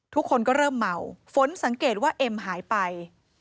ทุกคนก็เริ่มเมาฝนสังเกตว่าเอ็มหายไป